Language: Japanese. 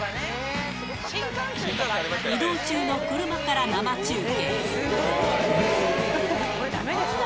移動中の車から生中継。